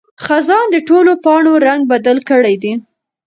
خزان د ټولو پاڼو رنګ بدل کړی دی.